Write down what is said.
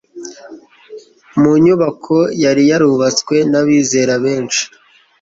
mu nyubako yari yarubatswe n'abizera benshi